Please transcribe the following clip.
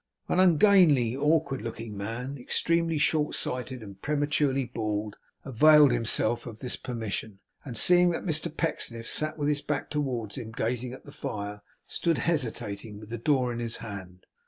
An ungainly, awkward looking man, extremely short sighted, and prematurely bald, availed himself of this permission; and seeing that Mr Pecksniff sat with his back towards him, gazing at the fire, stood hesitating, with the door in his hand.